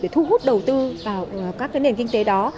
để thu hút đầu tư vào các nền kinh tế đó